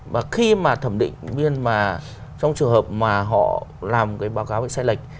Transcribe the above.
và khi mà thẩm định viên mà trong trường hợp mà họ làm cái báo cáo bị sai lệch